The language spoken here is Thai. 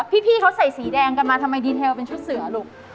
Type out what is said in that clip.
พี่เขาใส่สีแดงกันมาทำไมดีเทลเป็นชุดเสือลูก